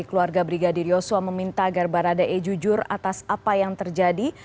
keluarga brigadir yosua meminta agar baradae jujur atas apa yang terjadi